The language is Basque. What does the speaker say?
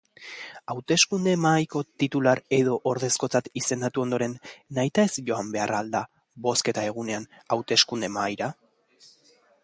Hauteskunde-mahaiko titular edo ordezkotzat izendatu ondoren nahitaez joan behar al da bozketa-egunean hauteskunde-mahaira?